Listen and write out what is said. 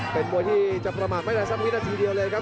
เป็นมวยที่จะประมาทไม่ได้สักวินาทีเดียวเลยครับ